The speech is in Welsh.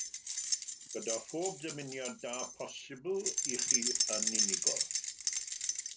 Gyda phob dymuniad da posibl i chi yn unigol